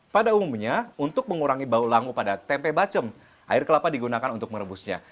pada umumnya untuk mengurangi bau langu pada tempe bacem air kelapa digunakan untuk merebusnya